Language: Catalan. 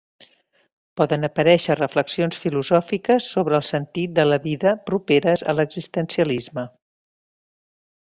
Poden aparèixer reflexions filosòfiques sobre el sentit de la vida properes a l'existencialisme.